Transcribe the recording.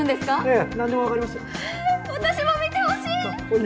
え私も見てほしい。